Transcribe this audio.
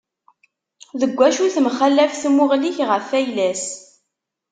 Deg acu temxalaf tmuɣli-k ɣef ayla-s?